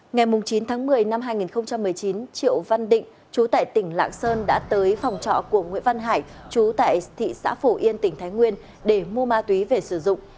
ngày chín tháng một mươi năm hai nghìn một mươi chín triệu văn định chú tại tỉnh lạng sơn đã tới phòng trọ của nguyễn văn hải chú tại thị xã phổ yên tỉnh thái nguyên để mua ma túy về sử dụng